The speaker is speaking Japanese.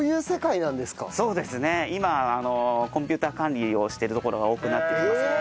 今コンピューター管理をしているところが多くなってきてますね。